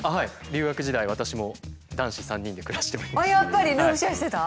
留学時代私も男子３人で暮らしておりました。